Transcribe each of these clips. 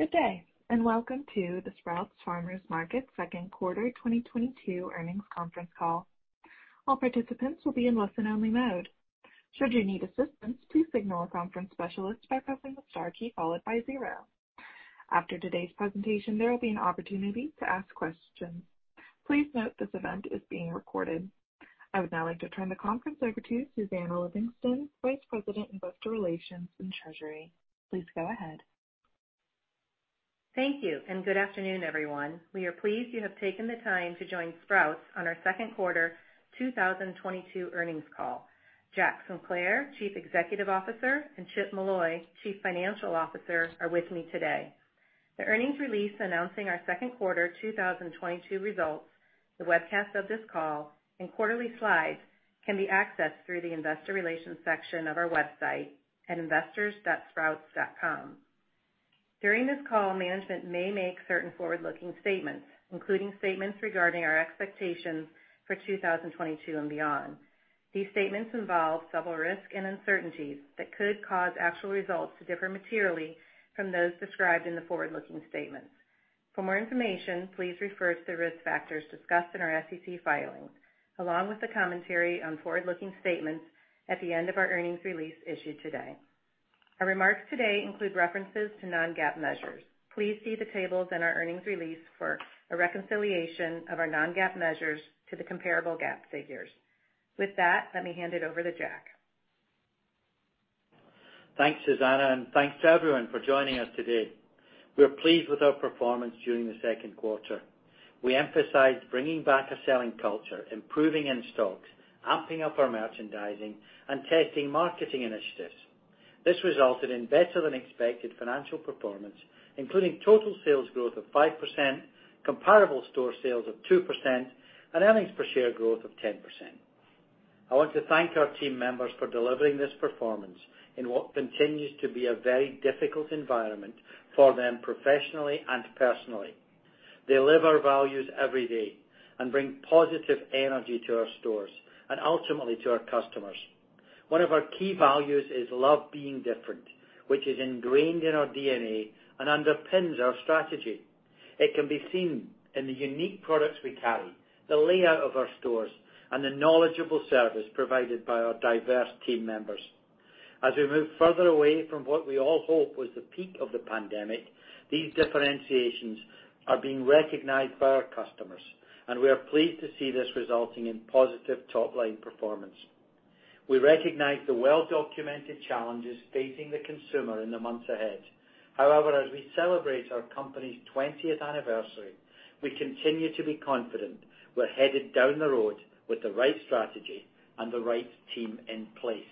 Good day, and welcome to the Sprouts Farmers Market Q2 2022 earnings conference call. All participants will be in listen-only mode. Should you need assistance, please signal a conference specialist by pressing the star key followed by zero. After today's presentation, there will be an opportunity to ask questions. Please note this event is being recorded. I would now like to turn the conference over to Susannah Livingston, Vice President of Investor Relations and Treasury. Please go ahead. Thank you, and good afternoon, everyone. We are pleased you have taken the time to join Sprouts on our Q2 2022 earnings call. Jack Sinclair, Chief Executive Officer, and Chip Molloy, Chief Financial Officer, are with me today. The earnings release announcing our Q2 2022 results, the webcast of this call, and quarterly slides can be accessed through the investor relations section of our website at investors.sprouts.com. During this call, management may make certain forward-looking statements, including statements regarding our expectations for 2022 and beyond. These statements involve several risks and uncertainties that could cause actual results to differ materially from those described in the forward-looking statements. For more information, please refer to the risk factors discussed in our SEC filings, along with the commentary on forward-looking statements at the end of our earnings release issued today. Our remarks today include references to non-GAAP measures. Please see the tables in our earnings release for a reconciliation of our non-GAAP measures to the comparable GAAP figures. With that, let me hand it over to Jack. Thanks, Susannah, and thanks to everyone for joining us today. We are pleased with our performance during the Q2. We emphasized bringing back a selling culture, improving in stocks, amping up our merchandising, and testing marketing initiatives. This resulted in better-than-expected financial performance, including total sales growth of 5%, comparable store sales of 2%, and earnings per share growth of 10%. I want to thank our team members for delivering this performance in what continues to be a very difficult environment for them professionally and personally. They live our values every day and bring positive energy to our stores and ultimately to our customers. One of our key values is love being different, which is ingrained in our DNA and underpins our strategy. It can be seen in the unique products we carry, the layout of our stores, and the knowledgeable service provided by our diverse team members. As we move further away from what we all hope was the peak of the pandemic, these differentiations are being recognized by our customers, and we are pleased to see this resulting in positive top-line performance. We recognize the well-documented challenges facing the consumer in the months ahead. However, as we celebrate our company's twentieth anniversary, we continue to be confident we're headed down the road with the right strategy and the right team in place.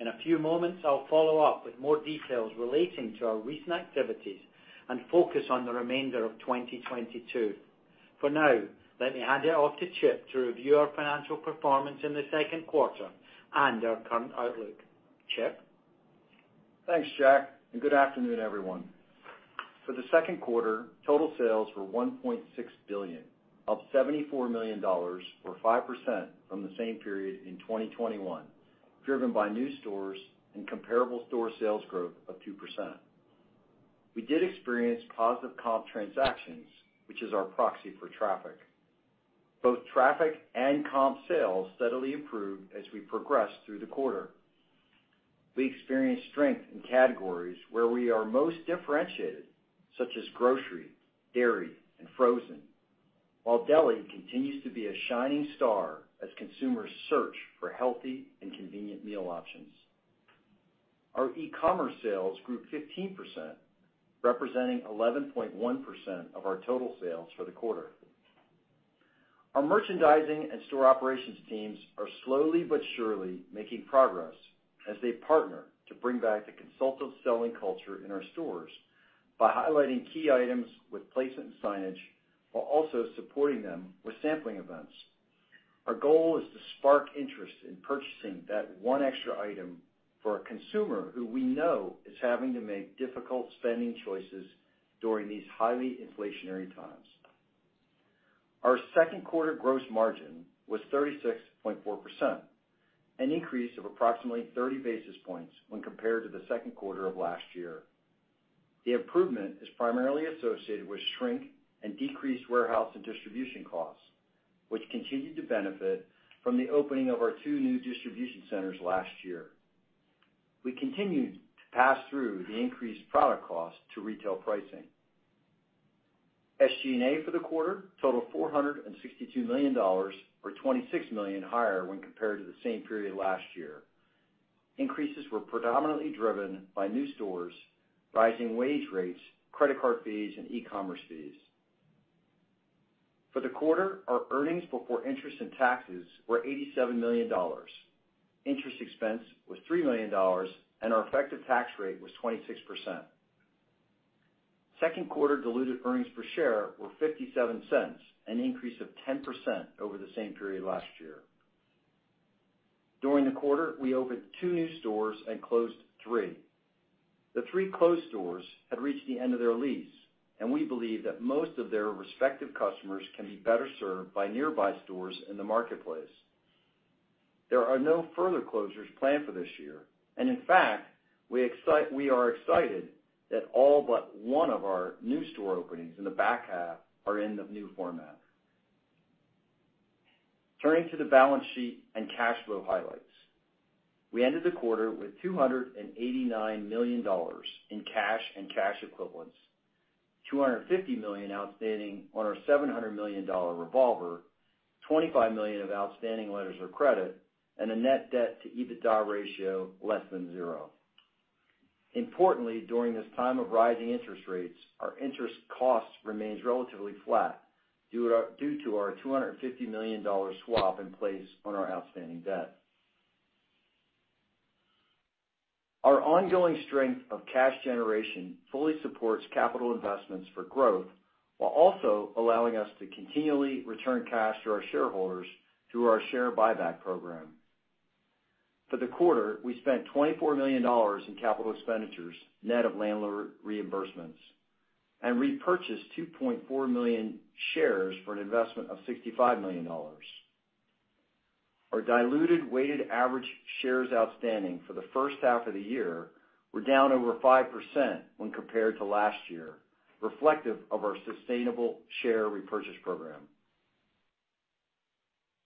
In a few moments, I'll follow up with more details relating to our recent activities and focus on the remainder of 2022. For now, let me hand it off to Chip to review our financial performance in the Q2 and our current outlook. Chip? Thanks, Jack, and good afternoon, everyone. For the Q2, total sales were $1.6 billion, up $74 million or 5% from the same period in 2021, driven by new stores and comparable store sales growth of 2%. We did experience positive comp transactions, which is our proxy for traffic. Both traffic and comp sales steadily improved as we progressed through the quarter. We experienced strength in categories where we are most differentiated, such as grocery, dairy, and frozen. While deli continues to be a shining star as consumers search for healthy and convenient meal options. Our e-commerce sales grew 15%, representing 11.1% of our total sales for the quarter. Our merchandising and store operations teams are slowly but surely making progress as they partner to bring back the consultative selling culture in our stores by highlighting key items with placement signage while also supporting them with sampling events. Our goal is to spark interest in purchasing that 1 extra item for a consumer who we know is having to make difficult spending choices during these highly inflationary times. Our Q2 gross margin was 36.4%, an increase of approximately 30 basis points when compared to the Q2 of last year. The improvement is primarily associated with shrink and decreased warehouse and distribution costs, which continued to benefit from the opening of our two new distribution centers last year. We continued to pass through the increased product cost to retail pricing. SG&A for the quarter totaled $462 million or $26 million higher when compared to the same period last year. Increases were predominantly driven by new stores, rising wage rates, credit card fees, and e-commerce fees. For the quarter, our earnings before interest and taxes were $87 million. Interest expense was $3 million, and our effective tax rate was 26%. Q2 diluted earnings per share were $0.57, an increase of 10% over the same period last year. During the quarter, we opened two new stores and closed three. The three closed stores had reached the end of their lease, and we believe that most of their respective customers can be better served by nearby stores in the marketplace. There are no further closures planned for this year, and in fact, we are excited that all but one of our new store openings in the back half are in the new format. Turning to the balance sheet and cash flow highlights. We ended the quarter with $289 million in cash and cash equivalents, $250 million outstanding on our $700 million revolver, $25 million of outstanding letters of credit, and a net debt to EBITDA ratio less than zero. Importantly, during this time of rising interest rates, our interest cost remains relatively flat due to our $250 million swap in place on our outstanding debt. Our ongoing strength of cash generation fully supports capital investments for growth while also allowing us to continually return cash to our shareholders through our share buyback program. For the quarter, we spent $24 million in capital expenditures net of landlord reimbursements and repurchased 2.4 million shares for an investment of $65 million. Our diluted weighted average shares outstanding for the first half of the year were down over 5% when compared to last year, reflective of our sustainable share repurchase program.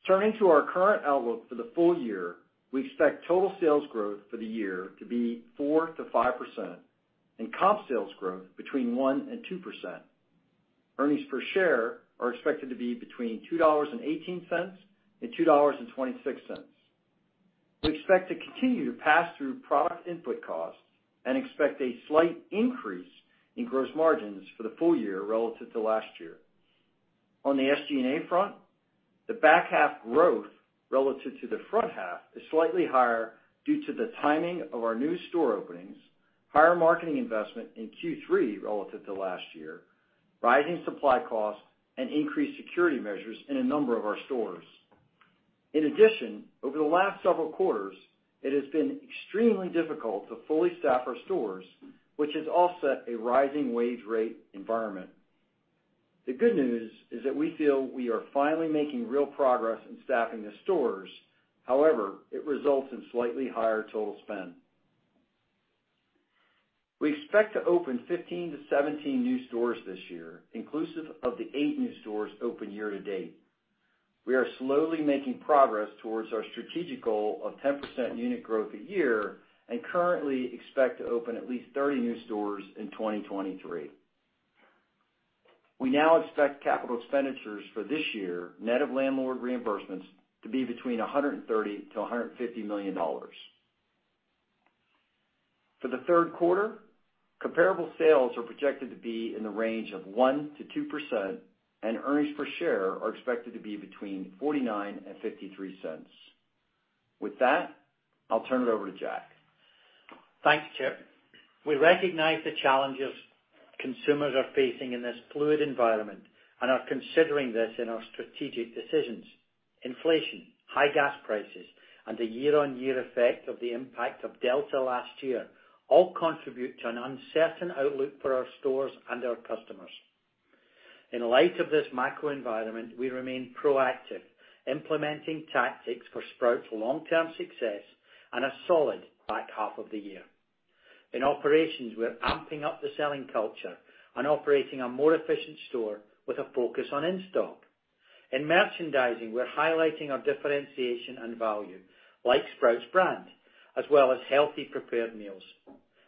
Turning to our current outlook for the full year, we expect total sales growth for the year to be 4%-5% and comp sales growth between 1%-2%. Earnings per share are expected to be between $2.18 and $2.26. We expect to continue to pass through product input costs and expect a slight increase in gross margins for the full year relative to last year. On the SG&A front, the back half growth relative to the front half is slightly higher due to the timing of our new store openings, higher marketing investment in Q3 relative to last year, rising supply costs, and increased security measures in a number of our stores. In addition, over the last several quarters, it has been extremely difficult to fully staff our stores, which has offset a rising wage rate environment. The good news is that we feel we are finally making real progress in staffing the stores. However, it results in slightly higher total spend. We expect to open 15-17 new stores this year, inclusive of the eight new stores opened year to date. We are slowly making progress towards our strategic goal of 10% unit growth a year and currently expect to open at least 30 new stores in 2023. We now expect capital expenditures for this year, net of landlord reimbursements, to be between $130 million to $150 million. For the Q3, comparable sales are projected to be in the range of 1%-2%, and earnings per share are expected to be between $0.49 to $0.53. With that, I'll turn it over to Jack. Thanks, Chip. We recognize the challenges consumers are facing in this fluid environment and are considering this in our strategic decisions. Inflation, high gas prices, and the year-on-year effect of the impact of Delta last year all contribute to an uncertain outlook for our stores and our customers. In light of this macro environment, we remain proactive, implementing tactics for Sprouts' long-term success and a solid back half of the year. In operations, we're amping up the selling culture and operating a more efficient store with a focus on in-stock. In merchandising, we're highlighting our differentiation and value, like Sprouts brand, as well as healthy prepared meals.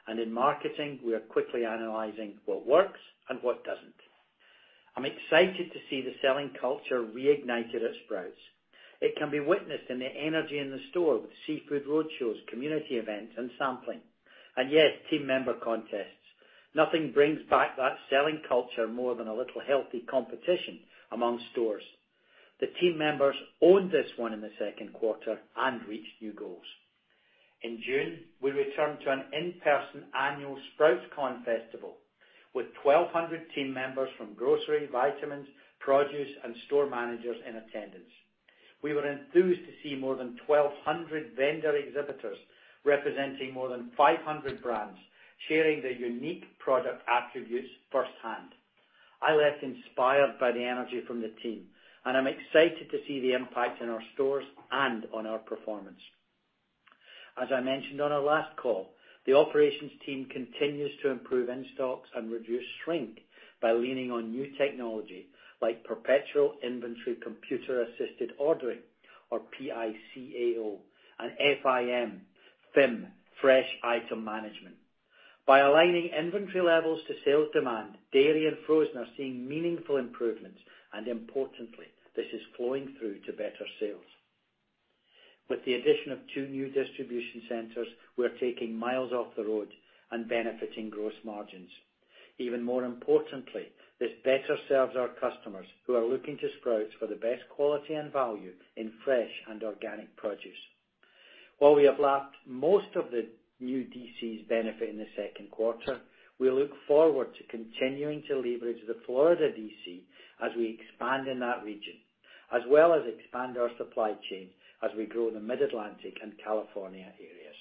In marketing, we are quickly analyzing what works and what doesn't. I'm excited to see the selling culture reignited at Sprouts. It can be witnessed in the energy in the store with seafood roadshows, community events, and sampling. Yes, team member contests. Nothing brings back that selling culture more than a little healthy competition among stores. The team members owned this one in the Q2 and reached new goals. In June, we returned to an in-person annual SproutsCon with 1,200 team members from grocery, vitamins, produce, and store managers in attendance. We were enthused to see more than 1,200 vendor exhibitors representing more than 500 brands sharing their unique product attributes firsthand. I left inspired by the energy from the team, and I'm excited to see the impact in our stores and on our performance. As I mentioned on our last call, the operations team continues to improve in-stocks and reduce shrink by leaning on new technology like perpetual inventory computer-assisted ordering, or PICAO, and FIM, Fresh Item Management. By aligning inventory levels to sales demand, dairy and frozen are seeing meaningful improvements, and importantly, this is flowing through to better sales. With the addition of 2 new distribution centers, we're taking miles off the road and benefiting gross margins. Even more importantly, this better serves our customers who are looking to Sprouts for the best quality and value in fresh and organic produce. While we have lapped most of the new DCs benefit in the Q2, we look forward to continuing to leverage the Florida DC as we expand in that region, as well as expand our supply chain as we grow in the Mid-Atlantic and California areas.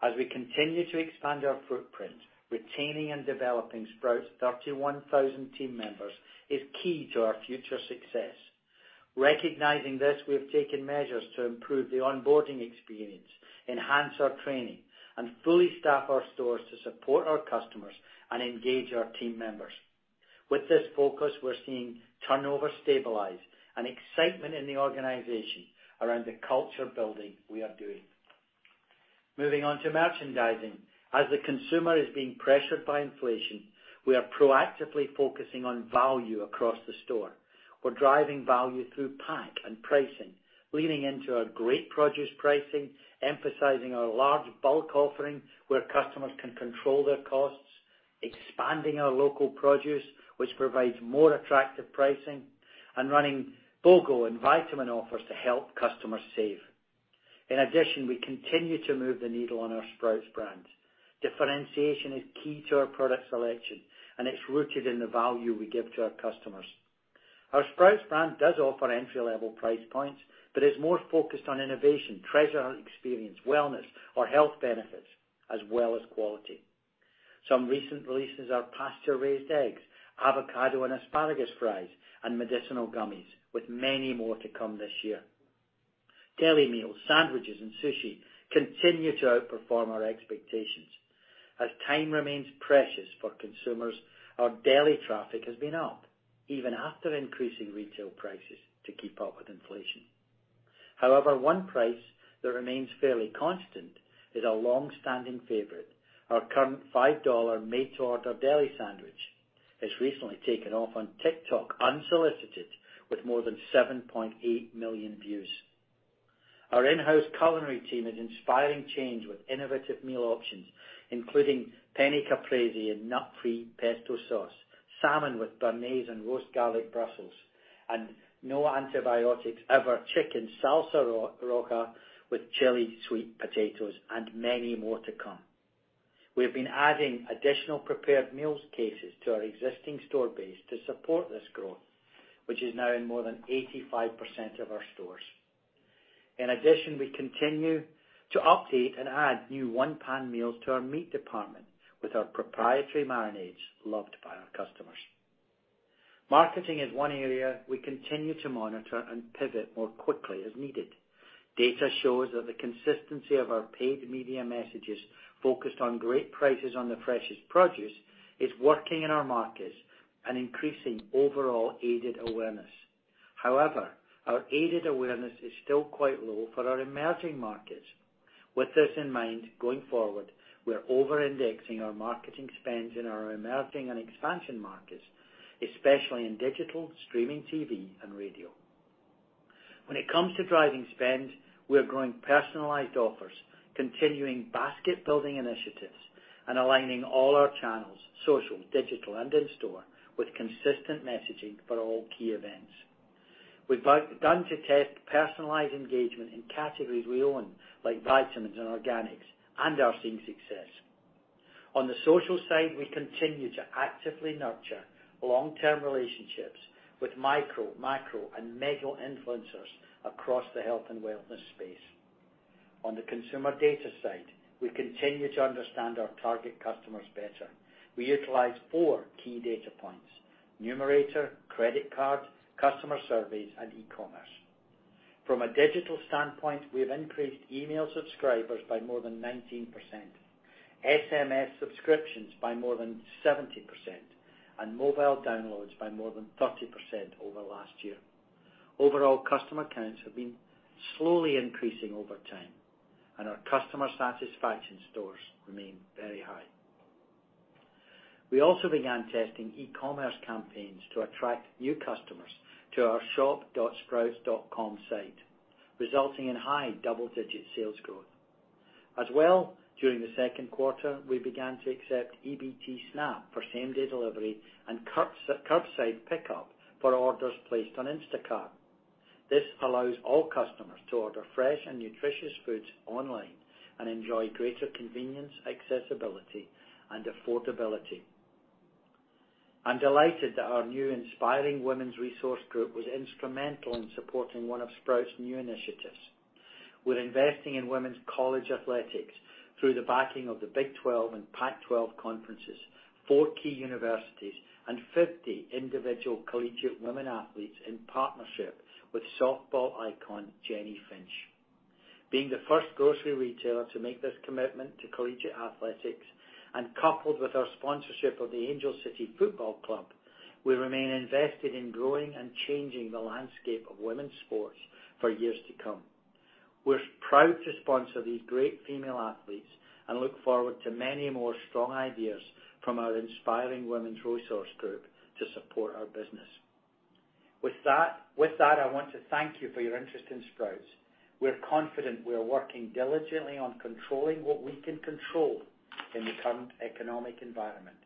As we continue to expand our footprint, retaining and developing Sprouts' 31,000 team members is key to our future success. Recognizing this, we have taken measures to improve the onboarding experience, enhance our training, and fully staff our stores to support our customers and engage our team members. With this focus, we're seeing turnover stabilize and excitement in the organization around the culture building we are doing. Moving on to merchandising. As the consumer is being pressured by inflation, we are proactively focusing on value across the store. We're driving value through pack and pricing, leaning into our great produce pricing, emphasizing our large bulk offering, where customers can control their costs, expanding our local produce, which provides more attractive pricing, and running BOGO and vitamin offers to help customers save. In addition, we continue to move the needle on our Sprouts brand. Differentiation is key to our product selection, and it's rooted in the value we give to our customers. Our Sprouts brand does offer entry-level price points but is more focused on innovation, treasure hunt experience, wellness, or health benefits, as well as quality. Some recent releases are pasture-raised eggs, avocado and asparagus fries, and medicinal gummies, with many more to come this year. Deli meals, sandwiches, and sushi continue to outperform our expectations. As time remains precious for consumers, our daily traffic has been up even after increasing retail prices to keep up with inflation. However, one price that remains fairly constant is a long-standing favorite. Our current $5 made-to-order deli sandwich has recently taken off on TikTok unsolicited with more than 7.8 million views. Our in-house culinary team is inspiring change with innovative meal options, including penne caprese in nut-free pesto sauce, salmon with béarnaise and roast garlic Brussels, and no antibiotics ever chicken salsa roja with chili sweet potatoes and many more to come. We've been adding additional prepared meals cases to our existing store base to support this growth, which is now in more than 85% of our stores. In addition, we continue to update and add new one-pan meals to our meat department with our proprietary marinades loved by our customers. Marketing is one area we continue to monitor and pivot more quickly as needed. Data shows that the consistency of our paid media messages focused on great prices on the freshest produce is working in our markets and increasing overall aided awareness. However, our aided awareness is still quite low for our emerging markets. With this in mind, going forward, we're over-indexing our marketing spends in our emerging and expansion markets, especially in digital, streaming TV, and radio. When it comes to driving spends, we are growing personalized offers, continuing basket-building initiatives, and aligning all our channels, social, digital, and in-store, with consistent messaging for all key events. We've begun to test personalized engagement in categories we own, like vitamins and organics, and are seeing success. On the social side, we continue to actively nurture long-term relationships with micro, macro, and mega-influencers across the health and wellness space. On the consumer data side, we continue to understand our target customers better. We utilize four key data points, Numerator, credit card, customer surveys, and e-commerce. From a digital standpoint, we have increased email subscribers by more than 19%, SMS subscriptions by more than 70%, and mobile downloads by more than 30% over last year. Overall, customer counts have been slowly increasing over time, and our customer satisfaction scores remain very high. We also began testing e-commerce campaigns to attract new customers to our shop.sprouts.com site, resulting in high double-digit sales growth. As well, during the Q2, we began to accept EBT SNAP for same-day delivery and curbside pickup for orders placed on Instacart. This allows all customers to order fresh and nutritious foods online and enjoy greater convenience, accessibility, and affordability. I'm delighted that our new Inspiring Women's Resource Group was instrumental in supporting one of Sprouts' new initiatives. We're investing in women's college athletics through the backing of the Big 12 and Pac-12 conferences, 4 key universities, and 50 individual collegiate women athletes in partnership with softball icon Jennie Finch. Being the first grocery retailer to make this commitment to collegiate athletics, and coupled with our sponsorship of the Angel City Football Club, we remain invested in growing and changing the landscape of women's sports for years to come. We're proud to sponsor these great female athletes and look forward to many more strong ideas from our Inspiring Women's Resource Group to support our business. With that, I want to thank you for your interest in Sprouts. We're confident we are working diligently on controlling what we can control in the current economic environment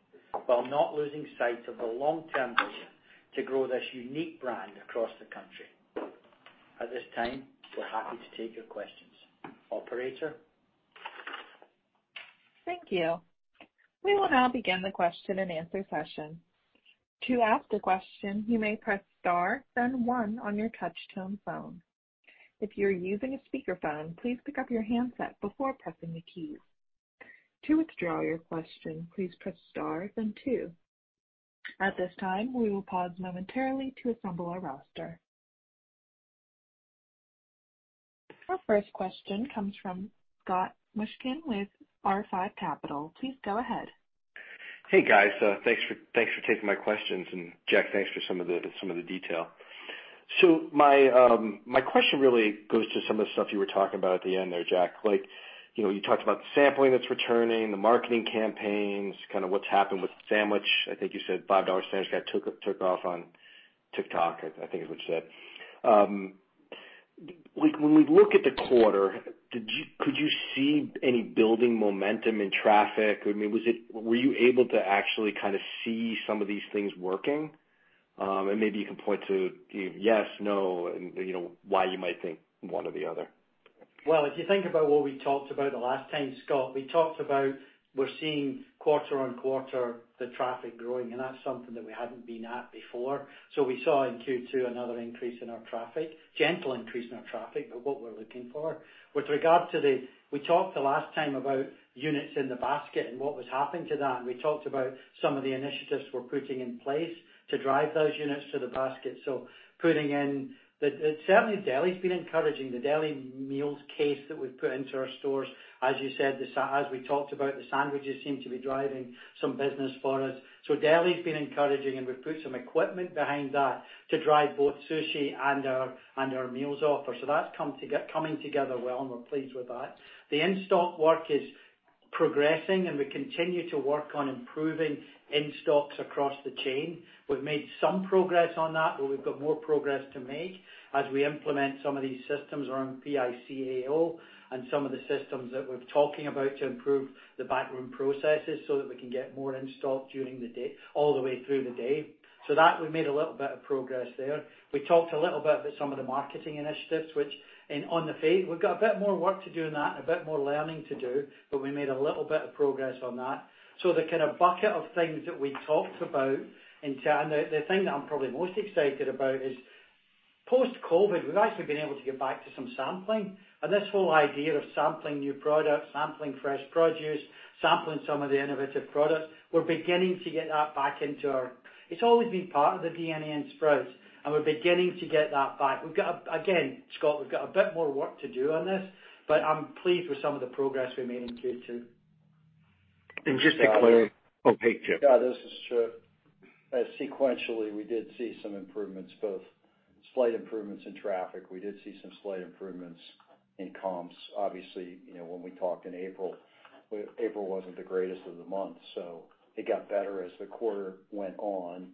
while not losing sight of the long-term vision to grow this unique brand across the country. At this time, we're happy to take your questions. Operator? Thank you. We will now begin the question-and-answer session. To ask a question, you may press star then one on your touch-tone phone. If you're using a speakerphone, please pick up your handset before pressing the keys. To withdraw your question, please press star then two. At this time, we will pause momentarily to assemble our roster. Our first question comes from Scott Mushkin with R5 Capital. Please go ahead. Hey, guys. Thanks for taking my questions. Jack, thanks for some of the detail. My question really goes to some of the stuff you were talking about at the end there, Jack. Like, you know, you talked about the sampling that's returning, the marketing campaigns, kind of what's happened with sandwich. I think you said $5 sandwich took off on TikTok. I think it was said. Like, when we look at the quarter, could you see any building momentum in traffic? I mean, were you able to actually kind of see some of these things working? Maybe you can point to yes, no, and, you know, why you might think one or the other. Well, if you think about what we talked about the last time, Scott, we talked about we're seeing quarter-over-quarter the traffic growing, and that's something that we hadn't been at before. We saw in Q2 another increase in our traffic, gentle increase in our traffic, but what we're looking for. With regard to the. We talked the last time about units in the basket and what was happening to that, and we talked about some of the initiatives we're putting in place to drive those units to the basket. Certainly, deli's been encouraging. The deli meals case that we've put into our stores, as you said, as we talked about, the sandwiches seem to be driving some business for us. Deli's been encouraging, and we've put some equipment behind that to drive both sushi and our meals offer. That's coming together well, and we're pleased with that. The in-stock work is progressing, and we continue to work on improving in-stocks across the chain. We've made some progress on that, but we've got more progress to make as we implement some of these systems around PICAO and some of the systems that we're talking about to improve the backroom processes so that we can get more in stock during the day, all the way through the day. That, we've made a little bit of progress there. We talked a little bit about some of the marketing initiatives, which on the face, we've got a bit more work to do on that and a bit more learning to do, but we made a little bit of progress on that. The kinda bucket of things that we talked about in terms. The thing that I'm probably most excited about is post-COVID, we've actually been able to get back to some sampling. This whole idea of sampling new products, sampling fresh produce, sampling some of the innovative products, we're beginning to get that back into our. It's always been part of the DNA in Sprouts, and we're beginning to get that back. We've got, again, Scott, we've got a bit more work to do on this, but I'm pleased with some of the progress we made in Q2. Just to clear. Scott- Oh, hey, Chip. Yeah, this is Chip. Sequentially, we did see some improvements, both slight improvements in traffic. We did see some slight improvements in comps. Obviously, you know, when we talked in April wasn't the greatest of the months, so it got better as the quarter went on.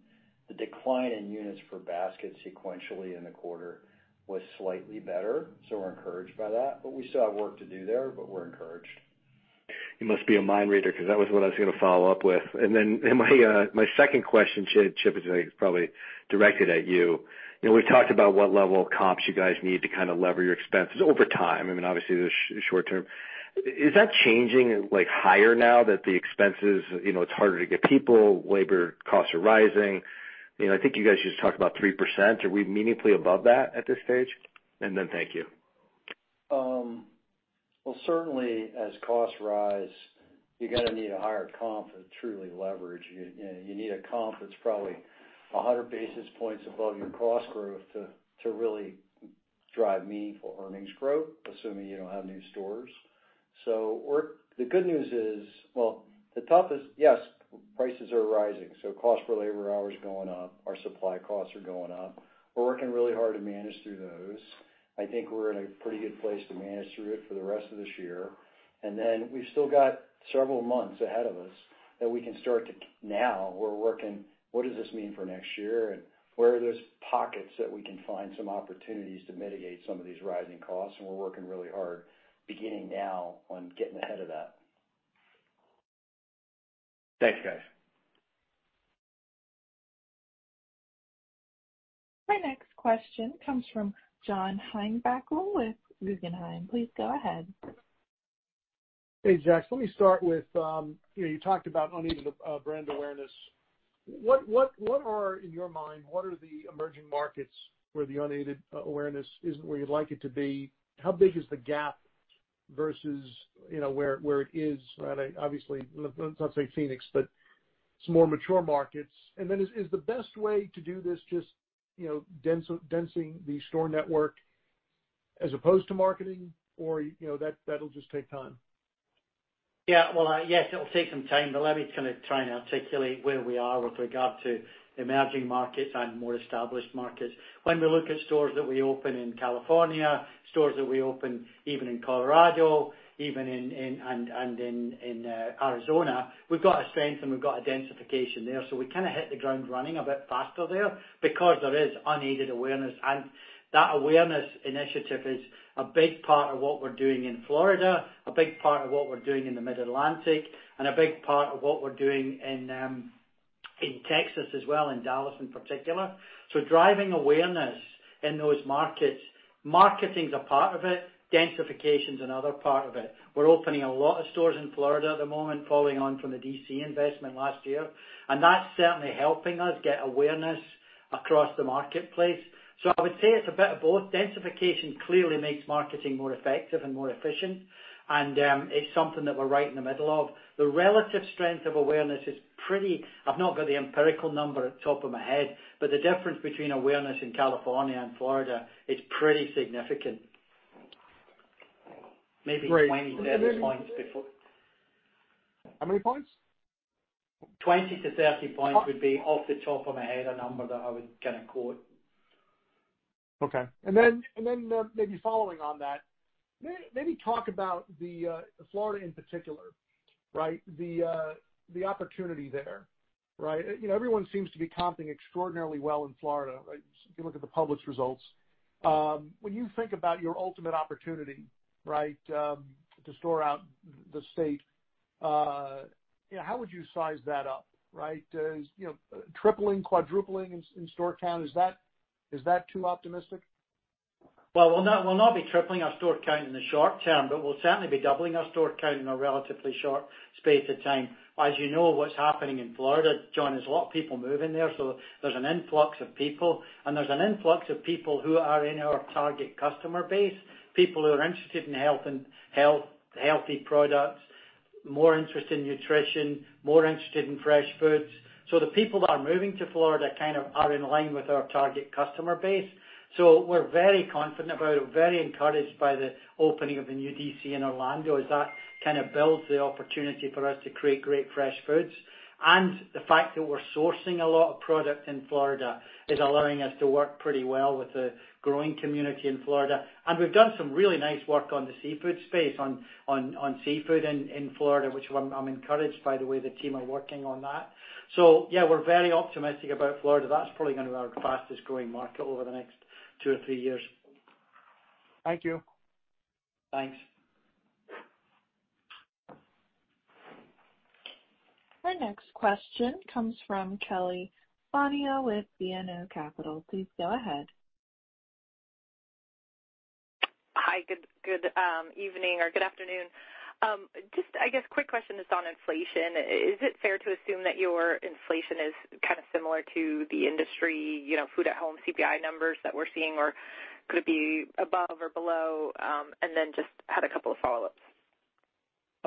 The decline in units per basket sequentially in the quarter was slightly better, so we're encouraged by that. We still have work to do there, but we're encouraged. You must be a mind reader because that was what I was gonna follow up with. My second question, Chip, is probably directed at you. You know, we talked about what level of comps you guys need to kind of lever your expenses over time. I mean, obviously, there's short term. Is that changing, like, higher now that the expenses, you know, it's harder to get people, labor costs are rising? You know, I think you guys just talked about 3%. Are we meaningfully above that at this stage? Thank you. Well, certainly as costs rise, you're gonna need a higher comp to truly leverage. You know, you need a comp that's probably 100 basis points above your cost growth to really drive meaningful earnings growth, assuming you don't have new stores. The good news is. Well, the toughest, yes, prices are rising, so cost per labor hour is going up. Our supply costs are going up. We're working really hard to manage through those. I think we're in a pretty good place to manage through it for the rest of this year. Then we've still got several months ahead of us that we can start to. Now we're working what does this mean for next year and where are those pockets that we can find some opportunities to mitigate some of these rising costs. We're working really hard beginning now on getting ahead of that. Thanks, guys. My next question comes from John Heinbockel with Guggenheim. Please go ahead. Hey, Jack. Let me start with, you know, you talked about unaided brand awareness. What are, in your mind, the emerging markets where the unaided awareness isn't where you'd like it to be? How big is the gap versus, you know, where it is at, obviously, let's not say Phoenix, but some more mature markets? And then is the best way to do this just, you know, densifying the store network as opposed to marketing or, you know, that'll just take time? Yeah. Well, yes, it'll take some time, but let me kind of try and articulate where we are with regard to emerging markets and more established markets. When we look at stores that we open in California, stores that we open even in Colorado, even in Arizona, we've got a strength and we've got a densification there. We kinda hit the ground running a bit faster there because there is unaided awareness. That awareness initiative is a big part of what we're doing in Florida, a big part of what we're doing in the Mid-Atlantic, and a big part of what we're doing in Texas as well, in Dallas in particular. Driving awareness in those markets, marketing's a part of it, densification's another part of it. We're opening a lot of stores in Florida at the moment, following on from the D.C. investment last year, and that's certainly helping us get awareness across the marketplace. I would say it's a bit of both. Densification clearly makes marketing more effective and more efficient, and it's something that we're right in the middle of. The relative strength of awareness is pretty. I've not got the empirical number at the top of my head, but the difference between awareness in California and Florida is pretty significant. Maybe 20, 30 points before- How many points? 20-30 points would be off the top of my head, a number that I would kinda quote. Okay. Maybe following on that, talk about Florida in particular, right? The opportunity there, right? You know, everyone seems to be comping extraordinarily well in Florida, right? If you look at the published results. When you think about your ultimate opportunity, right, to store out the state, you know, how would you size that up, right? You know, tripling, quadrupling in store count, is that too optimistic? Well, we'll not be tripling our store count in the short term, but we'll certainly be doubling our store count in a relatively short space of time. As you know, what's happening in Florida, John. There's a lot of people moving there, so there's an influx of people. There's an influx of people who are in our target customer base, people who are interested in health and healthy products, more interested in nutrition, more interested in fresh foods. The people that are moving to Florida kind of are in line with our target customer base. We're very confident about it. We're very encouraged by the opening of the new DC in Orlando, as that kind of builds the opportunity for us to create great fresh foods. The fact that we're sourcing a lot of product in Florida is allowing us to work pretty well with the growing community in Florida. We've done some really nice work on the seafood space, on seafood in Florida, which I'm encouraged by the way the team are working on that. Yeah, we're very optimistic about Florida. That's probably gonna be our fastest-growing market over the next two or three years. Thank you. Thanks. Our next question comes from Kelly Bania with BMO Capital Markets. Please go ahead. Hi, good evening or good afternoon. I guess, quick question just on inflation. Is it fair to assume that your inflation is kind of similar to the industry, you know, food at home CPI numbers that we're seeing, or could it be above or below? I just had a couple of follow-ups. I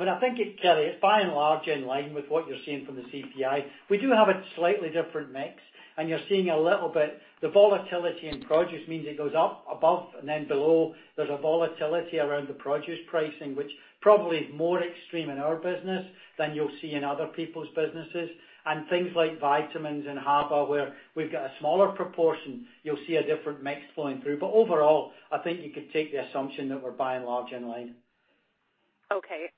mean, I think it, Kelly, it's by and large in line with what you're seeing from the CPI. We do have a slightly different mix, and you're seeing a little bit the volatility in produce means it goes up above and then below. There's a volatility around the produce pricing, which probably is more extreme in our business than you'll see in other people's businesses. Things like vitamins and HBA, where we've got a smaller proportion, you'll see a different mix flowing through. Overall, I think you could take the assumption that we're by and large in line. Okay.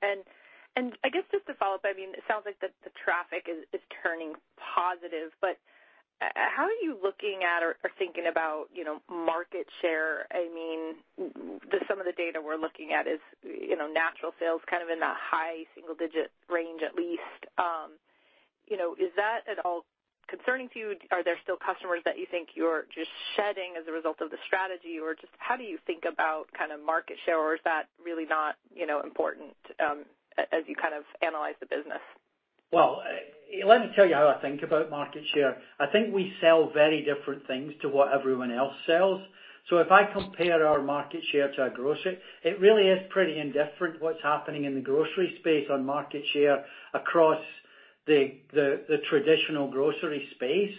I guess just to follow up, I mean, it sounds like the traffic is turning positive, but how are you looking at or thinking about, you know, market share? I mean, some of the data we're looking at is, you know, natural sales kind of in that high single digit range at least. You know, is that at all concerning to you? Are there still customers that you think you're just shedding as a result of the strategy or just how do you think about kind of market share or is that really not, you know, important, as you kind of analyze the business? Well, let me tell you how I think about market share. I think we sell very different things to what everyone else sells. If I compare our market share to our grocery, it really is pretty indifferent what's happening in the grocery space on market share across the traditional grocery space.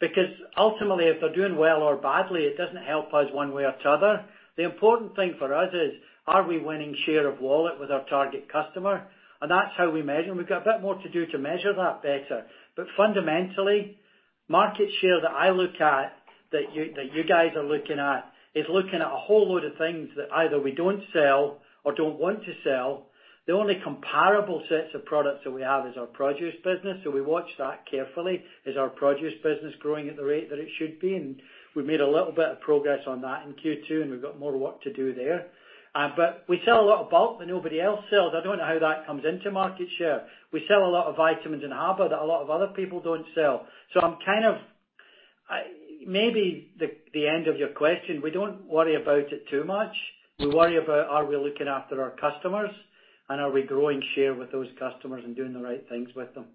Because ultimately, if they're doing well or badly, it doesn't help us one way or the other. The important thing for us is, are we winning share of wallet with our target customer? That's how we measure. We've got a bit more to do to measure that better. Fundamentally, market share that I look at, that you, that you guys are looking at, is looking at a whole load of things that either we don't sell or don't want to sell. The only comparable sets of products that we have is our produce business. We watch that carefully. Is our produce business growing at the rate that it should be? We've made a little bit of progress on that in Q2, and we've got more work to do there. We sell a lot of bulk that nobody else sells. I don't know how that comes into market share. We sell a lot of vitamins in HBA that a lot of other people don't sell. I'm kind of maybe the end of your question, we don't worry about it too much. We worry about are we looking after our customers, and are we growing share with those customers and doing the right things with them.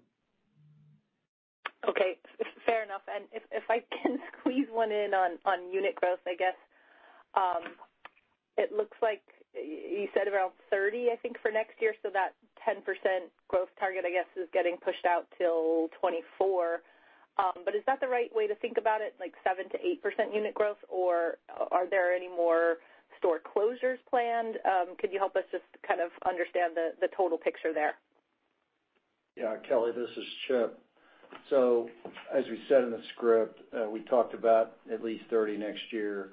Okay, fair enough. If I can squeeze one in on unit growth, I guess. It looks like you said around 30, I think, for next year, so that 10% growth target, I guess, is getting pushed out till 2024. But is that the right way to think about it, like 7%-8% unit growth, or are there any more store closures planned? Could you help us just kind of understand the total picture there? Yeah, Kelly, this is Chip. As we said in the script, we talked about at least 30 next year.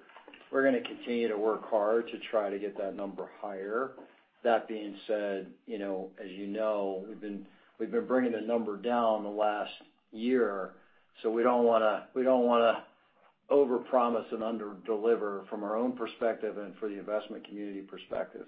We're gonna continue to work hard to try to get that number higher. That being said, you know, as you know, we've been bringing the number down the last year, so we don't wanna Overpromise and underdeliver from our own perspective and for the investment community perspective.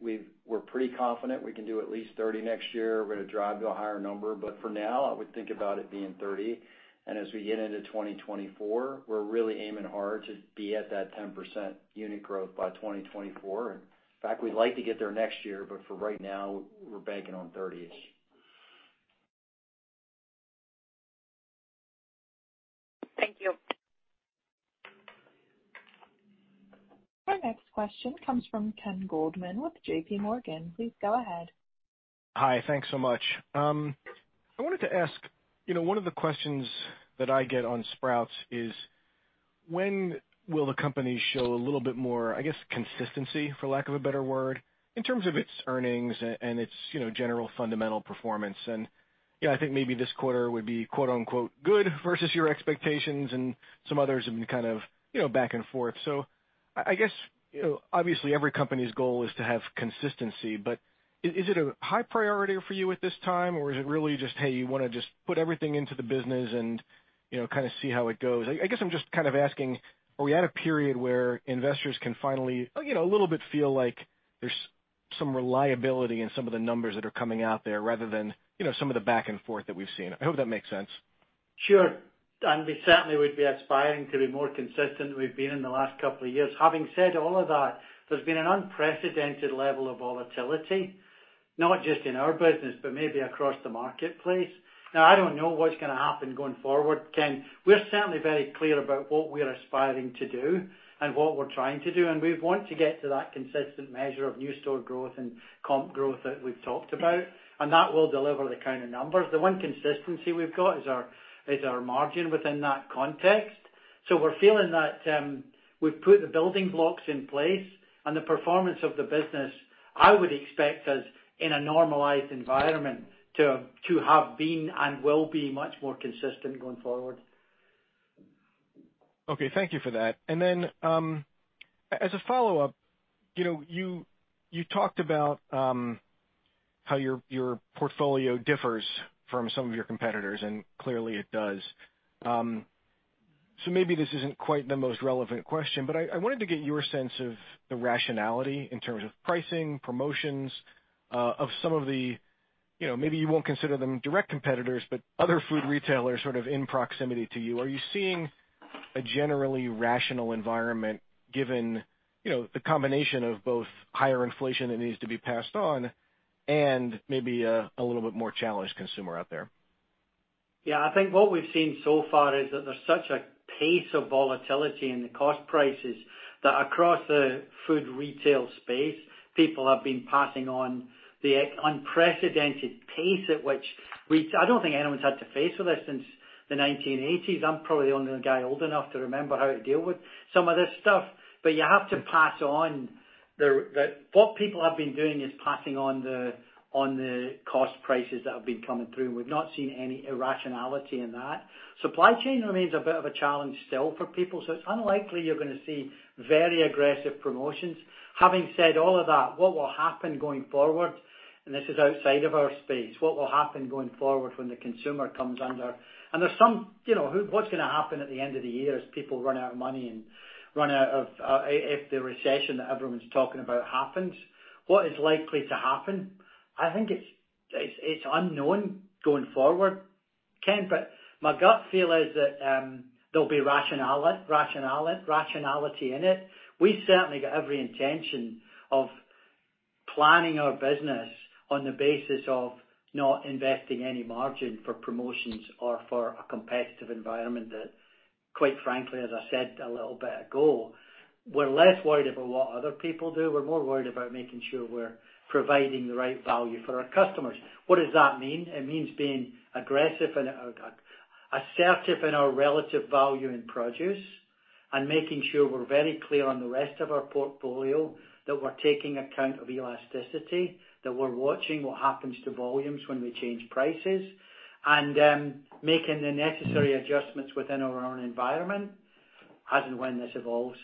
We're pretty confident we can do at least 30 next year. We're gonna drive to a higher number, but for now, I would think about it being 30. As we get into 2024, we're really aiming hard to be at that 10% unit growth by 2024. In fact, we'd like to get there next year, but for right now, we're banking on 30s. Thank you. Our next question comes from Ken Goldman with JPMorgan. Please go ahead. Hi. Thanks so much. I wanted to ask, you know, one of the questions that I get on Sprouts is when will the company show a little bit more, I guess, consistency, for lack of a better word, in terms of its earnings and its, you know, general fundamental performance? You know, I think maybe this quarter would be, quote-unquote, good versus your expectations, and some others have been kind of, you know, back and forth. I guess, you know, obviously every company's goal is to have consistency, but is it a high priority for you at this time, or is it really just, hey, you wanna just put everything into the business and, you know, kind of see how it goes? I guess I'm just kind of asking, are we at a period where investors can finally, you know, a little bit feel like there's some reliability in some of the numbers that are coming out there rather than, you know, some of the back and forth that we've seen? I hope that makes sense. Sure. We certainly would be aspiring to be more consistent than we've been in the last couple of years. Having said all of that, there's been an unprecedented level of volatility, not just in our business but maybe across the marketplace. Now, I don't know what's gonna happen going forward, Ken. We're certainly very clear about what we're aspiring to do and what we're trying to do, and we want to get to that consistent measure of new store growth and comp growth that we've talked about, and that will deliver the kind of numbers. The one consistency we've got is our margin within that context. We're feeling that we've put the building blocks in place and the performance of the business. I would expect us in a normalized environment to have been and will be much more consistent going forward. Okay. Thank you for that. As a follow-up, you know, you talked about how your portfolio differs from some of your competitors, and clearly it does. Maybe this isn't quite the most relevant question, but I wanted to get your sense of the rationality in terms of pricing, promotions, of some of the, you know, maybe you won't consider them direct competitors, but other food retailers sort of in proximity to you. Are you seeing a generally rational environment given, you know, the combination of both higher inflation that needs to be passed on and maybe a little bit more challenged consumer out there? Yeah. I think what we've seen so far is that there's such a pace of volatility in the cost prices that across the food retail space, people have been passing on the unprecedented pace at which I don't think anyone's had to face with this since the 1980s. I'm probably the only guy old enough to remember how to deal with some of this stuff. You have to pass on what people have been doing is passing on the cost prices that have been coming through, and we've not seen any irrationality in that. Supply chain remains a bit of a challenge still for people, so it's unlikely you're gonna see very aggressive promotions. Having said all of that, what will happen going forward, and this is outside of our space, what will happen going forward when the consumer comes under. There's some, you know, what's gonna happen at the end of the year as people run out of money and run out of, if the recession that everyone's talking about happens, what is likely to happen? I think it's unknown going forward, Ken, but my gut feel is that there'll be rationality in it. We certainly got every intention of planning our business on the basis of not investing any margin for promotions or for a competitive environment that quite frankly, as I said a little bit ago, we're less worried about what other people do. We're more worried about making sure we're providing the right value for our customers. What does that mean? It means being aggressive and assertive in our relative value in produce and making sure we're very clear on the rest of our portfolio, that we're taking account of elasticity, that we're watching what happens to volumes when we change prices, and making the necessary adjustments within our own environment as and when this evolves.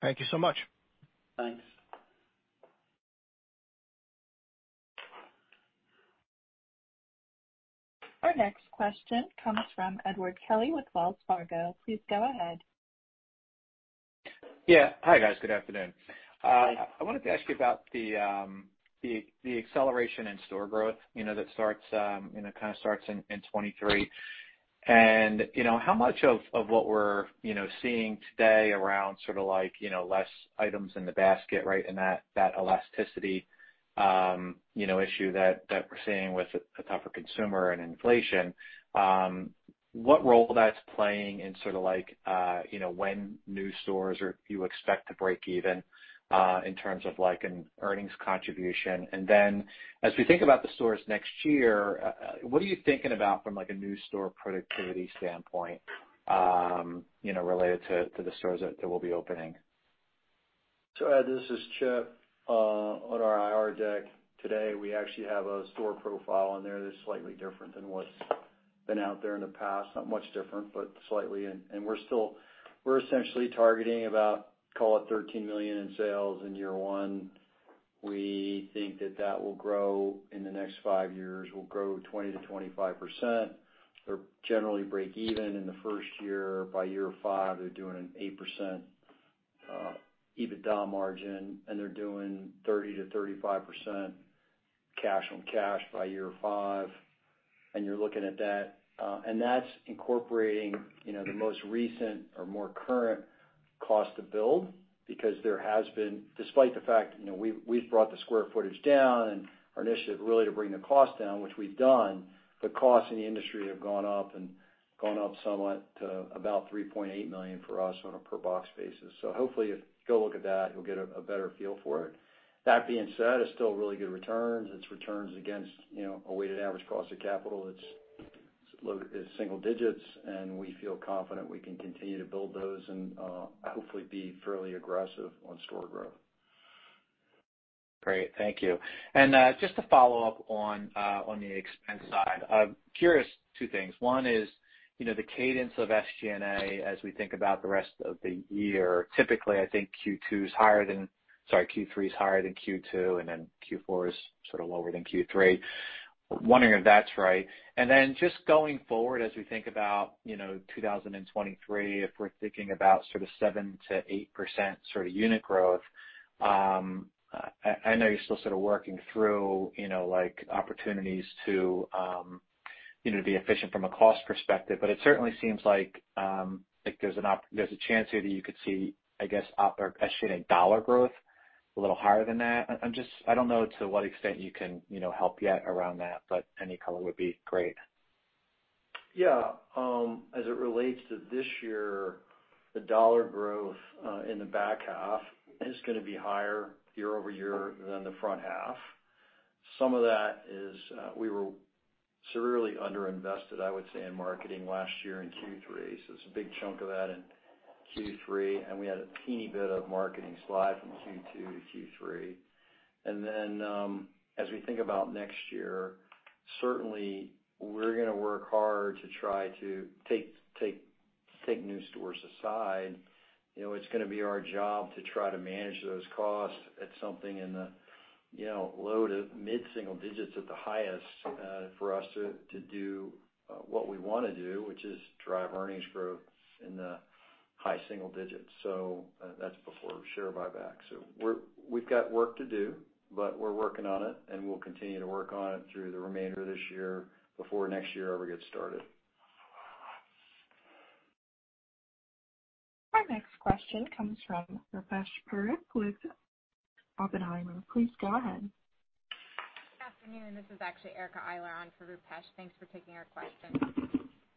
Thank you so much. Thanks. Our next question comes from Edward Kelly with Wells Fargo. Please go ahead. Yeah. Hi, guys. Good afternoon. Hi. I wanted to ask you about the acceleration in store growth, you know, that kind of starts in 2023. You know, how much of what we're seeing today around sort of like, you know, less items in the basket, right, and that elasticity issue that we're seeing with a tougher consumer and inflation, what role that's playing in sort of like, you know, when new stores or you expect to break even in terms of like an earnings contribution. As we think about the stores next year, what are you thinking about from like a new store productivity standpoint, you know, related to the stores that will be opening? Ed, this is Chip. On our IR deck today, we actually have a store profile on there that's slightly different than what's been out there in the past. Not much different, but slightly. We're essentially targeting about, call it $13 million in sales in year one. We think that will grow in the next five years, will grow 20%-25%. They're generally break even in the first year. By year five, they're doing an 8% EBITDA margin, and they're doing 30%-35% cash on cash by year five. You're looking at that. And that's incorporating, you know, the most recent or more current cost to build because there has been, despite the fact, you know, we've brought the square footage down and our initiative really to bring the cost down, which we've done, the costs in the industry have gone up and gone up somewhat to about $3.8 million for us on a per box basis. Hopefully, if you go look at that, you'll get a better feel for it. That being said, it's still really good returns. It's returns against, you know, a weighted average cost of capital that's single digits, and we feel confident we can continue to build those and hopefully be fairly aggressive on store growth. Great. Thank you. Just to follow up on the expense side, I'm curious two things. One is, you know, the cadence of SG&A as we think about the rest of the year. Typically, I think Q3 is higher than Q2, and then Q4 is sort of lower than Q3. Wondering if that's right. Then just going forward, as we think about, you know, 2023, if we're thinking about sort of 7%-8% sort of unit growth, I know you're still sort of working through, you know, like opportunities to be efficient from a cost perspective, but it certainly seems like there's a chance here that you could see, I guess, OpEx or SG&A dollar growth a little higher than that. I don't know to what extent you can, you know, help yet around that, but any color would be great. Yeah. As it relates to this year, the dollar growth in the back half is gonna be higher year-over-year than the front half. Some of that is we were severely underinvested, I would say, in marketing last year in Q3. It's a big chunk of that in Q3, and we had a teeny bit of marketing slide from Q2 to Q3. As we think about next year, certainly we're gonna work hard to try to take new stores aside. You know, it's gonna be our job to try to manage those costs at something in the, you know, low to mid-single digits at the highest, for us to do what we wanna do, which is drive earnings growth in the high single digits. That's before share buyback. We've got work to do, but we're working on it, and we'll continue to work on it through the remainder of this year before next year ever gets started. Our next question comes from Rupesh Parikh with Oppenheimer. Please go ahead. Good afternoon. This is actually Erica Eiler on for Rupesh. Thanks for taking our question.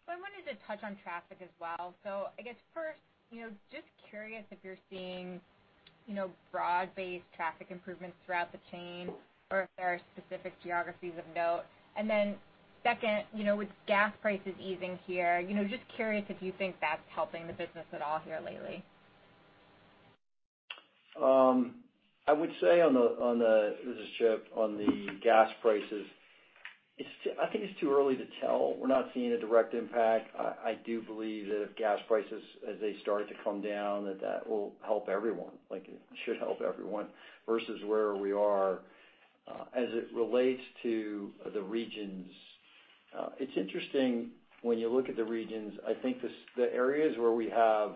I wanted to touch on traffic as well. I guess first, you know, just curious if you're seeing, you know, broad-based traffic improvements throughout the chain or if there are specific geographies of note. Then second, you know, with gas prices easing here, you know, just curious if you think that's helping the business at all here lately. I would say on the gas prices. This is Chip. On the gas prices, I think it's too early to tell. We're not seeing a direct impact. I do believe that if gas prices, as they start to come down, that will help everyone, like it should help everyone versus where we are. As it relates to the regions, it's interesting when you look at the regions. I think the areas where we have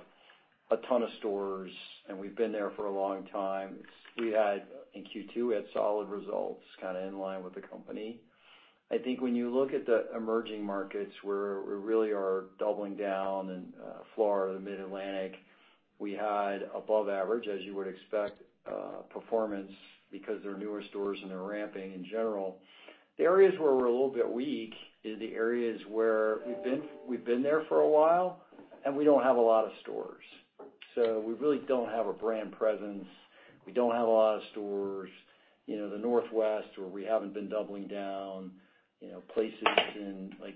a ton of stores, and we've been there for a long time, in Q2 we had solid results kind of in line with the company. I think when you look at the emerging markets where we really are doubling down in, Florida, Mid-Atlantic, we had above average, as you would expect, performance because they're newer stores and they're ramping in general. The areas where we're a little bit weak is the areas where we've been there for a while, and we don't have a lot of stores. So we really don't have a brand presence. We don't have a lot of stores. You know, the Northwest, where we haven't been doubling down, you know, places in like,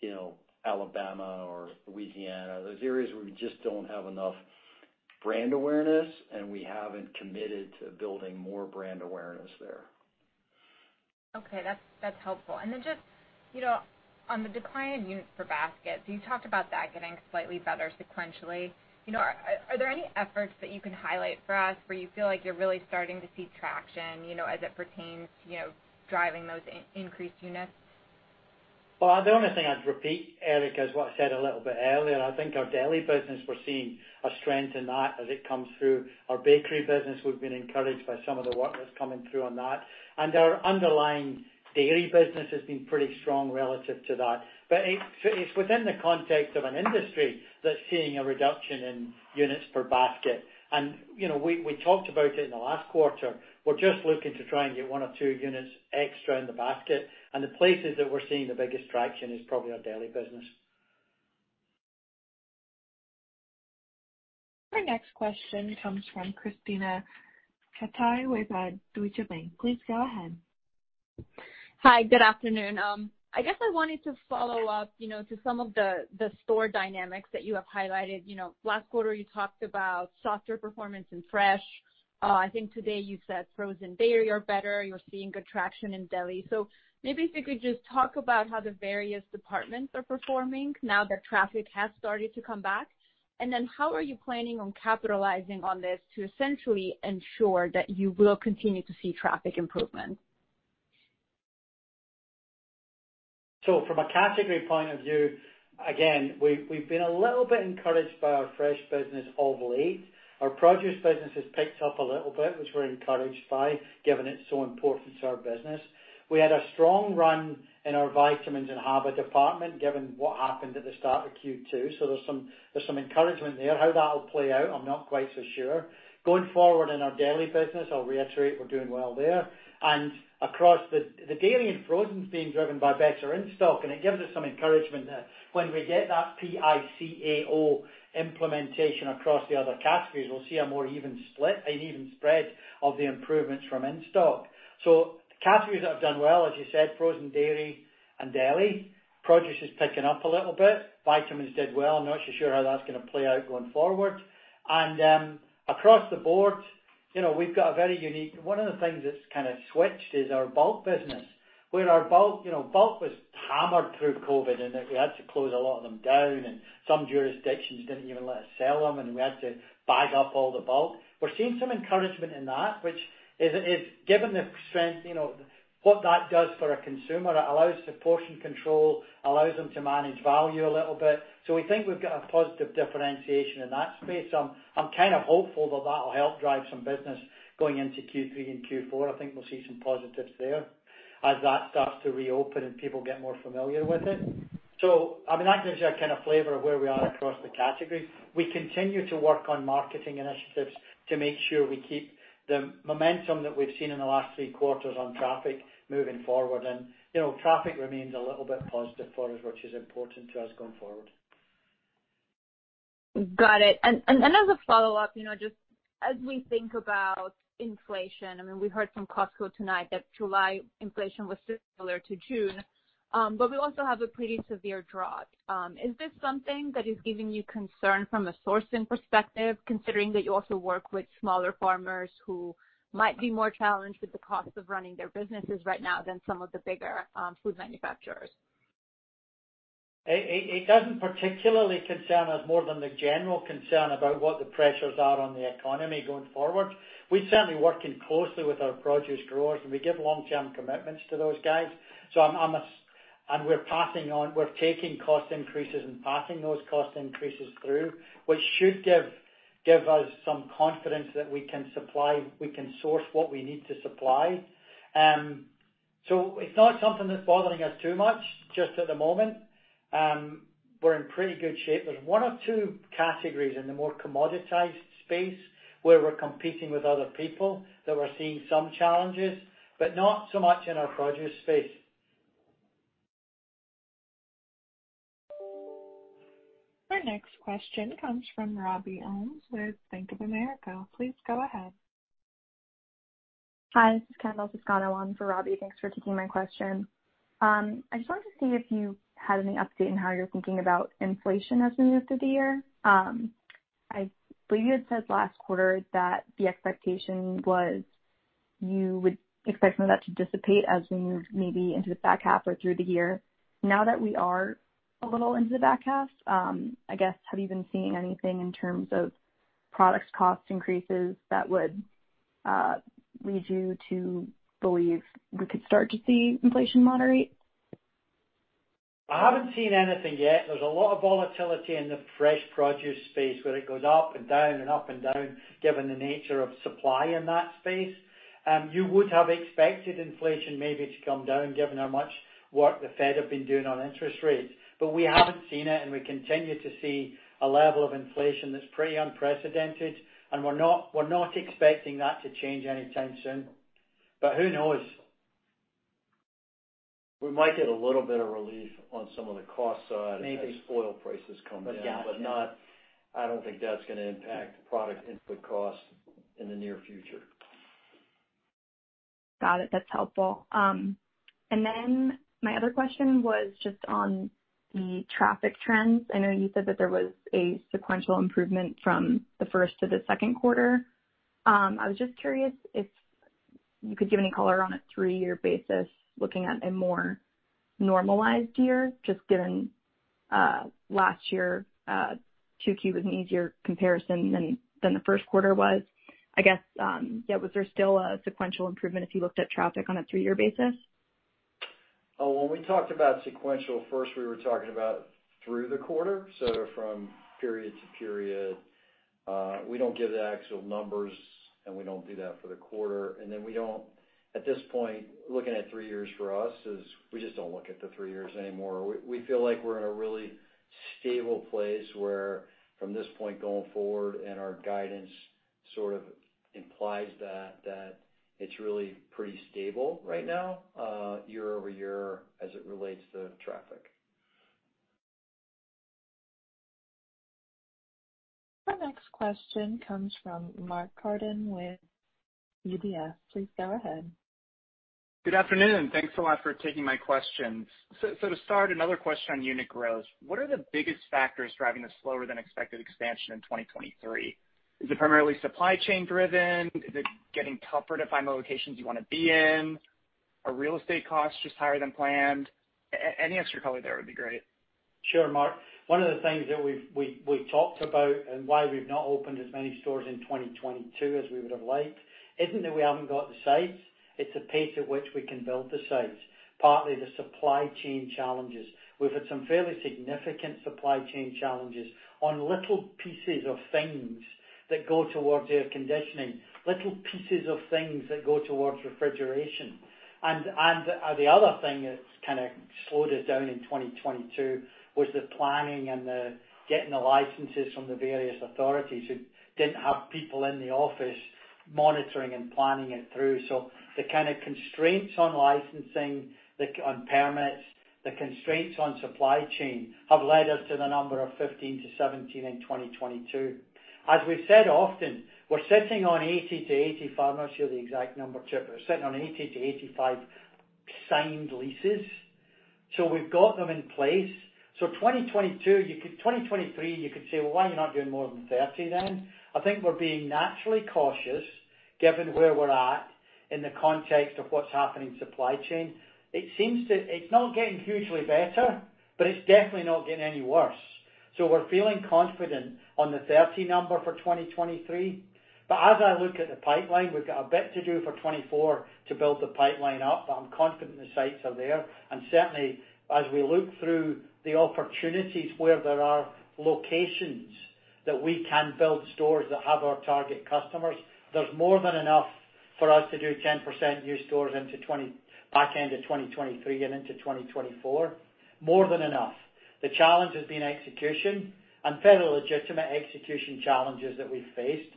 you know, Alabama or Louisiana, those areas where we just don't have enough brand awareness, and we haven't committed to building more brand awareness there. Okay, that's helpful. Just, you know, on the decline in units per basket, you talked about that getting slightly better sequentially. You know, are there any efforts that you can highlight for us where you feel like you're really starting to see traction, you know, as it pertains, you know, driving those increased units? Well, the only thing I'd repeat, Erica, is what I said a little bit earlier. I think our deli business, we're seeing a strength in that as it comes through. Our bakery business, we've been encouraged by some of the work that's coming through on that. Our underlying dairy business has been pretty strong relative to that. It's within the context of an industry that's seeing a reduction in units per basket. You know, we talked about it in the last quarter. We're just looking to try and get one or two units extra in the basket. The places that we're seeing the biggest traction is probably our deli business. Our next question comes from Krisztina Katai with Deutsche Bank. Please go ahead. Hi. Good afternoon. I guess I wanted to follow up, you know, to some of the store dynamics that you have highlighted. You know, last quarter, you talked about softer performance in fresh. I think today you said frozen dairy are better. You're seeing good traction in deli. Maybe if you could just talk about how the various departments are performing now that traffic has started to come back. How are you planning on capitalizing on this to essentially ensure that you will continue to see traffic improvement? From a category point of view, again, we've been a little bit encouraged by our fresh business of late. Our produce business has picked up a little bit, which we're encouraged by, given it's so important to our business. We had a strong run in our vitamins and HBA department, given what happened at the start of Q2. There's some encouragement there. How that'll play out, I'm not quite so sure. Going forward in our daily business, I'll reiterate we're doing well there. Across the daily and frozen is being driven by better in-stock, and it gives us some encouragement that when we get that PICAO implementation across the other categories, we'll see a more even split and even spread of the improvements from in-stock. Categories that have done well, as you said, frozen, dairy and deli. Produce is picking up a little bit. Vitamins did well. I'm not so sure how that's gonna play out going forward. Across the board, you know, we've got a very unique one of the things that's kind of switched is our bulk business, where our bulk was hammered through COVID and that we had to close a lot of them down and some jurisdictions didn't even let us sell them, and we had to bag up all the bulk. We're seeing some encouragement in that, which is given the strength, you know, what that does for a consumer, it allows the portion control, allows them to manage value a little bit. So we think we've got a positive differentiation in that space. I'm kind of hopeful that that'll help drive some business going into Q3 and Q4. I think we'll see some positives there as that starts to reopen and people get more familiar with it. I mean, that gives you a kind of flavor of where we are across the categories. We continue to work on marketing initiatives to make sure we keep the momentum that we've seen in the last three quarters on traffic moving forward. You know, traffic remains a little bit positive for us, which is important to us going forward. Got it. As a follow-up, you know, just as we think about inflation, I mean, we heard from Costco tonight that July inflation was similar to June, but we also have a pretty severe drought. Is this something that is giving you concern from a sourcing perspective, considering that you also work with smaller farmers who might be more challenged with the cost of running their businesses right now than some of the bigger food manufacturers? It doesn't particularly concern us more than the general concern about what the pressures are on the economy going forward. We're certainly working closely with our produce growers, and we give long-term commitments to those guys. We're taking cost increases and passing those cost increases through, which should give us some confidence that we can supply, we can source what we need to supply. It's not something that's bothering us too much just at the moment. We're in pretty good shape. There's one or two categories in the more commoditized space where we're competing with other people that we're seeing some challenges, but not so much in our produce space. Our next question comes from Robbie Ohmes with Bank of America. Please go ahead. Hi, this is Kendall Toscano on for Robbie Ohmes. Thanks for taking my question. I just wanted to see if you had any update on how you're thinking about inflation as we move through the year. I believe you had said last quarter that the expectation was you would expect some of that to dissipate as we move maybe into the back half or through the year. Now that we are a little into the back half, I guess, have you been seeing anything in terms of product cost increases that would lead you to believe we could start to see inflation moderate? I haven't seen anything yet. There's a lot of volatility in the fresh produce space where it goes up and down and up and down, given the nature of supply in that space. You would have expected inflation maybe to come down given how much work the Fed have been doing on interest rates. We haven't seen it, and we continue to see a level of inflation that's pretty unprecedented. We're not expecting that to change anytime soon. Who knows? We might get a little bit of relief on some of the cost side. Maybe as oil prices come down. Yeah. I don't think that's gonna impact product input costs in the near future. Got it. That's helpful. My other question was just on the traffic trends. I know you said that there was a sequential improvement from the first to the Q2. I was just curious if you could give any color on a three-year basis looking at a more normalized year, just given last year 2Q was an easier comparison than the Q1 was. I guess was there still a sequential improvement if you looked at traffic on a three-year basis? When we talked about sequential, first we were talking about through the quarter, so from period to period. We don't give the actual numbers, and we don't do that for the quarter. Then we don't, at this point, looking at three years for us is we just don't look at the three years anymore. We feel like we're in a really stable place where from this point going forward and our guidance sort of implies that it's really pretty stable right now, year-over-year as it relates to traffic. Our next question comes from Mark Carden with UBS. Please go ahead. Good afternoon, and thanks a lot for taking my questions. To start another question on unit growth. What are the biggest factors driving the slower than expected expansion in 2023? Is it primarily supply chain driven? Is it getting tougher to find locations you wanna be in? Are real estate costs just higher than planned? Any extra color there would be great. Sure, Mark. One of the things that we've talked about and why we've not opened as many stores in 2022 as we would've liked isn't that we haven't got the sites, it's the pace at which we can build the sites, partly the supply chain challenges. We've had some fairly significant supply chain challenges on little pieces of things that go towards air conditioning, little pieces of things that go towards refrigeration. The other thing that's kinda slowed us down in 2022 was the planning and the getting the licenses from the various authorities who didn't have people in the office monitoring and planning it through. The kind of constraints on licensing, on permits, the constraints on supply chain have led us to the number of 15-17 in 2022. As we've said often, we're sitting on 80-85, I'm not sure the exact number, Chip. We're sitting on 80-85 signed leases, so we've got them in place. 2023, you could say, "Well, why are you not doing more than 30 then?" I think we're being naturally cautious given where we're at in the context of what's happening in the supply chain. It's not getting hugely better, but it's definitely not getting any worse. We're feeling confident on the 30 number for 2023. As I look at the pipeline, we've got a bit to do for 2024 to build the pipeline up, but I'm confident the sites are there. Certainly, as we look through the opportunities where there are locations that we can build stores that have our target customers, there's more than enough for us to do 10% new stores into 20, back end of 2023 and into 2024. More than enough. The challenge has been execution and fairly legitimate execution challenges that we've faced.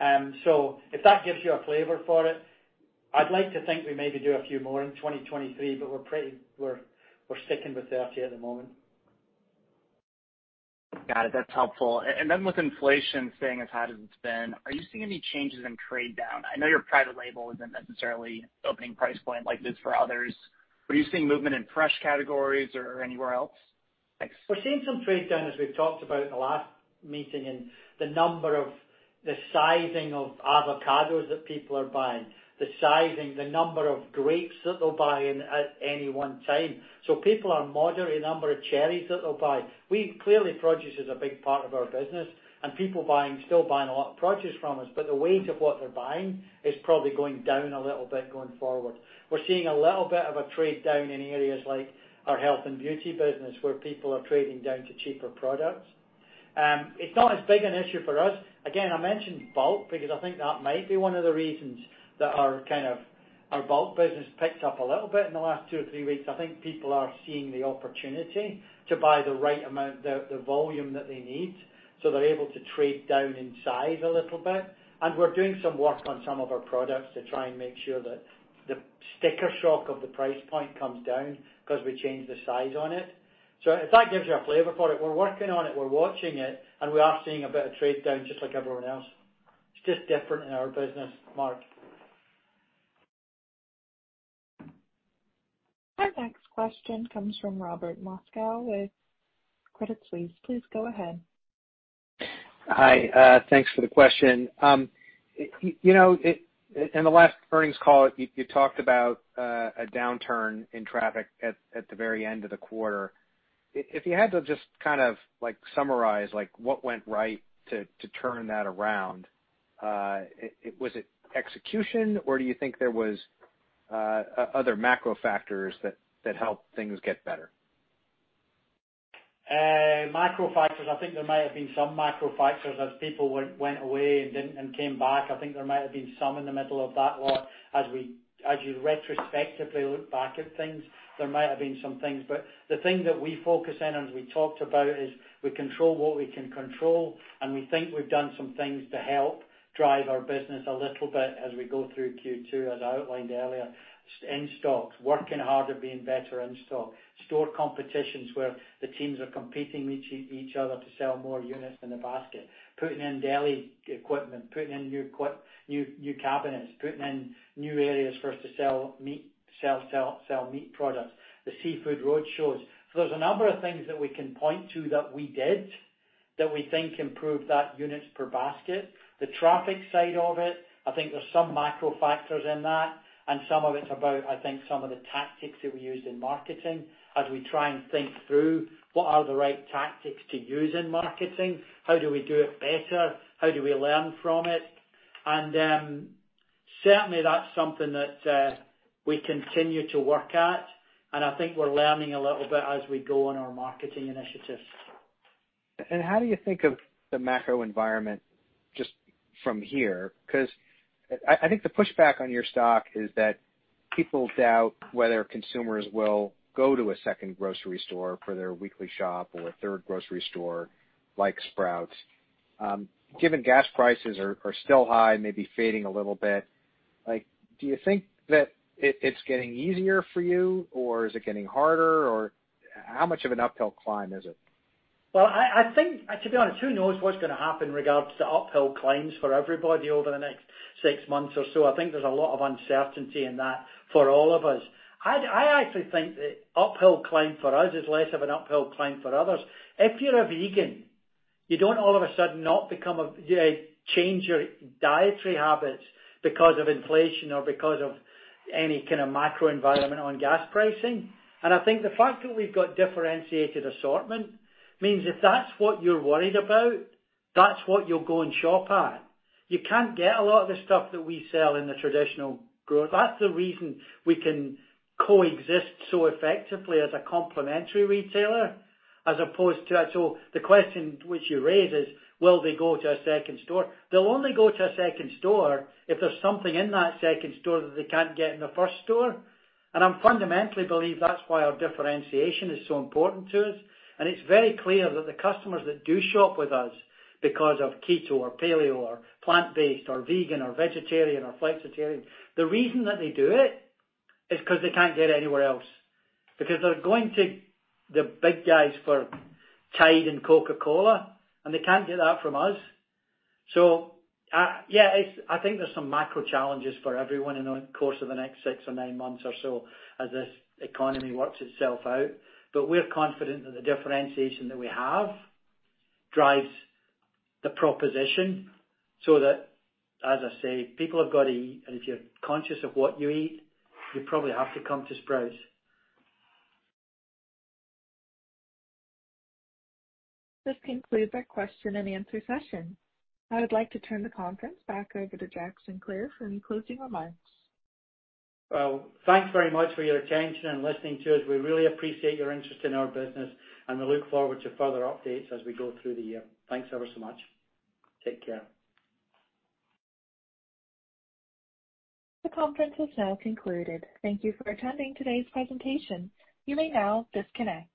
If that gives you a flavor for it, I'd like to think we maybe do a few more in 2023, but we're pretty, we're sticking with 30 at the moment. Got it. That's helpful. With inflation staying as high as it's been, are you seeing any changes in trade down? I know your private label isn't necessarily opening price point like it is for others. Are you seeing movement in fresh categories or anywhere else? Thanks. We're seeing some trade down as we've talked about in the last meeting in the number of the sizing of avocados that people are buying, the sizing, the number of grapes that they'll buy in at any one time. People are moderate, the number of cherries that they'll buy. Clearly, produce is a big part of our business and people buying, still buying a lot of produce from us, but the weight of what they're buying is probably going down a little bit going forward. We're seeing a little bit of a trade down in areas like our health and beauty business, where people are trading down to cheaper products. It's not as big an issue for us. Again, I mentioned bulk because I think that might be one of the reasons that our, kind of, our bulk business picked up a little bit in the last two or three weeks. I think people are seeing the opportunity to buy the right amount, the volume that they need, so they're able to trade down in size a little bit. We're doing some work on some of our products to try and make sure that the sticker shock of the price point comes down 'cause we changed the size on it. If that gives you a flavor for it, we're working on it, we're watching it, and we are seeing a bit of trade down just like everyone else. It's just different in our business, Mark. Our next question comes from Robert Moskow with Credit Suisse. Please go ahead. Hi, thanks for the question. You know, in the last earnings call, you talked about a downturn in traffic at the very end of the quarter. If you had to just kind of like summarize like what went right to turn that around, was it execution or do you think there was other macro factors that helped things get better? Macro factors, I think there might have been some macro factors as people went away and didn't and came back. I think there might have been some in the middle of that or as you retrospectively look back at things, there might have been some things. The thing that we focus in, and we talked about, is we control what we can control, and we think we've done some things to help drive our business a little bit as we go through Q2, as I outlined earlier. In stocks, working harder, being better in stock. Store competitions where the teams are competing each other to sell more units in the basket. Putting in daily equipment, putting in new cabinets, putting in new areas for us to sell meat products. The seafood roadshows. There's a number of things that we can point to that we did that we think improved that units per basket. The traffic side of it, I think there's some macro factors in that and some of it's about, I think, some of the tactics that we used in marketing as we try and think through what are the right tactics to use in marketing, how do we do it better, how do we learn from it. Certainly, that's something that we continue to work at, and I think we're learning a little bit as we go on our marketing initiatives. How do you think of the macro environment just from here? 'Cause I think the pushback on your stock is that people doubt whether consumers will go to a second grocery store for their weekly shop or a third grocery store like Sprouts. Given gas prices are still high, maybe fading a little bit, like, do you think that it's getting easier for you or is it getting harder or how much of an uphill climb is it? Well, I think, to be honest, who knows what's gonna happen regards to uphill climbs for everybody over the next six months or so. I think there's a lot of uncertainty in that for all of us. I actually think the uphill climb for us is less of an uphill climb for others. If you're a vegan, you don't all of a sudden not become a, you know, change your dietary habits because of inflation or because of any kind of macro environment on gas pricing. I think the fact that we've got differentiated assortment means if that's what you're worried about, that's what you'll go and shop at. You can't get a lot of the stuff that we sell. That's the reason we can coexist so effectively as a complementary retailer as opposed to. The question which you raised is, will they go to a second store? They'll only go to a second store if there's something in that second store that they can't get in the first store. I fundamentally believe that's why our differentiation is so important to us. It's very clear that the customers that do shop with us because of keto or paleo or plant-based or vegan or vegetarian or flexitarian, the reason that they do it is 'cause they can't get it anywhere else. Because they're going to the big guys for Tide and Coca-Cola, and they can't get that from us. Yeah, I think there's some macro challenges for everyone in the course of the next six or nine months or so as this economy works itself out. We're confident that the differentiation that we have drives the proposition so that, as I say, people have got to eat, and if you're conscious of what you eat, you probably have to come to Sprouts. This concludes our question and answer session. I would like to turn the conference back over to Jack Sinclair for any closing remarks. Well, thanks very much for your attention and listening to us. We really appreciate your interest in our business, and we look forward to further updates as we go through the year. Thanks ever so much. Take care. The conference has now concluded. Thank you for attending today's presentation. You may now disconnect.